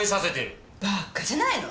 バッカじゃないの。